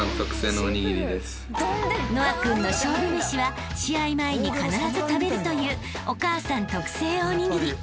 ［和青君の勝負めしは試合前に必ず食べるというお母さん特製おにぎり］